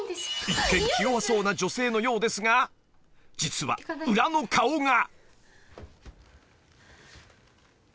［一見気弱そうな女性のようですが実は裏の顔が］